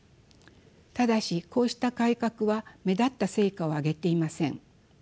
ただしこうした改革は目立った成果を上げていません。